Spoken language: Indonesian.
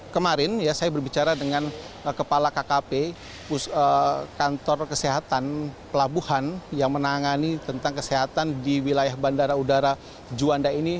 kemarin saya berbicara dengan kepala kkp kantor kesehatan pelabuhan yang menangani tentang kesehatan di wilayah bandara udara juanda ini